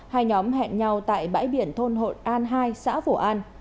hai nhóm hẹn nhau tại bãi biển thôn hội an hai xã phổ an